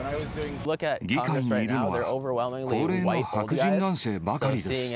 議会にいるのは、高齢の白人男性ばかりです。